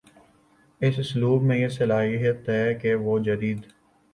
اس اسلوب میں یہ صلاحیت ہے کہ وہ جدید